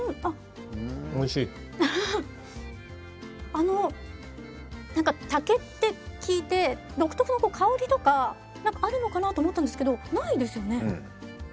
あの何か竹って聞いて独特の香りとかあるのかなと思ったんですけどないですよね。